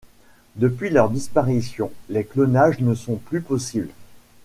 Depuis leur disparition, les clonages ne sont plus possibles.